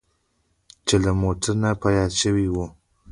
چې له موټر نه پیاده شوي وو.